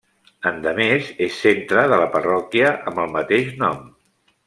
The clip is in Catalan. Endemés és centre de la parròquia amb el mateix nom.